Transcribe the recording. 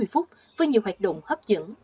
bốn mươi phút với nhiều hoạt động hấp dẫn